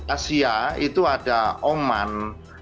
asia itu ada oman